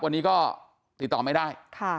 วันนี้ก็ติดต่อไม่ได้